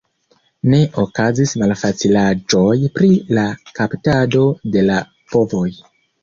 Ne okazis malfacilaĵoj pri la kaptado de la bovoj.